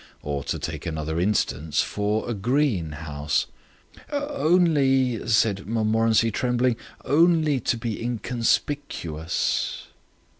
Or, to take another instance, for a green house?" "Only," said Montmorency, trembling, "only to be inconspicuous."